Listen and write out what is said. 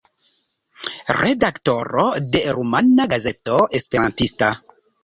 Redaktoro de Rumana Gazeto Esperantista.